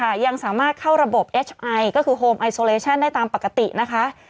อ่ะพ่อยังสามารถเข้าระบบแอตเดสไอเมอร์ก็คือโฮมไอโซั่ลเลชั่นได้ตามปกตินะคะ